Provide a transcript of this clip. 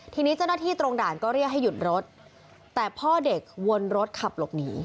ทีนี้เจ้าหน้าที่ตรงด่านก็เรียกให้หยุดรถแต่พ่อเด็กวนรถขับหลบหนี